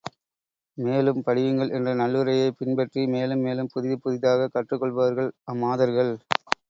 மேலும் படியுங்கள் என்ற நல்லுரையைப் பின்பற்றி மேலும் மேலும் புதிது புதிதாகக் கற்றுக்கொள்பவர்கள், அம்மாதர்கள்.